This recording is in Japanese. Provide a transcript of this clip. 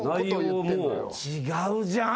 違うじゃん。